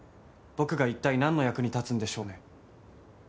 僕が一体なんの役に立つんでしょうね？